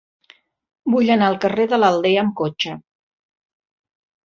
Vull anar al carrer de l'Aldea amb cotxe.